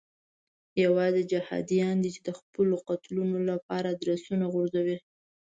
یوازې جهادیان دي چې د خپلو قتلونو لپاره ادرسونه غورځوي.